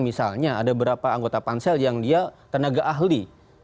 misalnya ada beberapa anggota pansel yang dia tenaga ahli